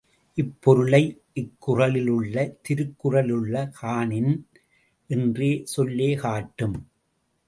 இப்பொருளை இக்குறளிலுள்ள திருக்குறளிலுள்ள காணின் என்ற சொல்லே காட்டும்.